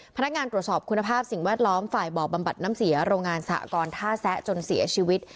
พนักงานตรวจสอบคุณภาพสิ่งแวดล้อมฝ่ายบ่อบำบัดน้ำเสียโรงงานสหกรท่าแซะจนเสียชีวิต